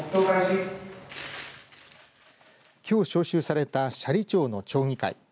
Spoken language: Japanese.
きょう招集された斜里町の町議会。